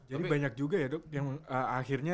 jadi banyak juga ya dok yang akhirnya